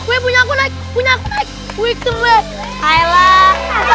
webunyaku naik punya kue itu wek hai lah